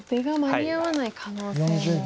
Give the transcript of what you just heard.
出が間に合わない可能性も。